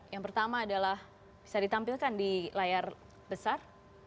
yang pertama adalah bisa ditampilkan di layar besar